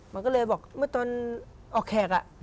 มันก็เลยบอกเมื่อตอนออกแขก